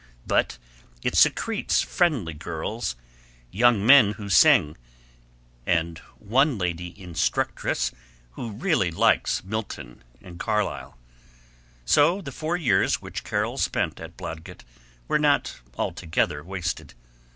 But it secretes friendly girls, young men who sing, and one lady instructress who really likes Milton and Carlyle. So the four years which Carol spent at Blodgett were not altogether wasted.